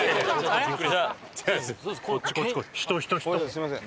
すみません。